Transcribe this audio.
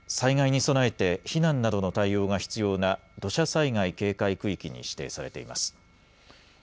現場周辺は災害に備えて避難などの対応が必要な土砂災害警戒区域に指定されています。